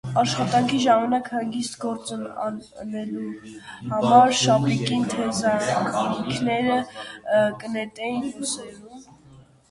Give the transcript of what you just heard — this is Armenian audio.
Աշխատանքի ժամանակ հանգիստ գործ ընելու համար շապիկին թեզանիքները կը նետէին ուսերուն։